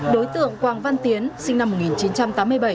đối tượng quang văn tiến sinh năm một nghìn chín trăm tám mươi bảy